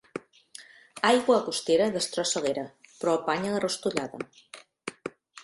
Aigua agostera destrossa l'era, però apanya la rostollada.